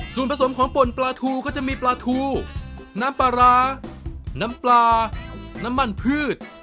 ส่วนผสมของป่นปลาทูก็จะมีปลาทูน้ำปลาร้าน้ำปลาน้ำมันพืช